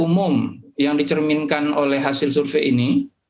umum yang dicerminkan oleh hasil survei ini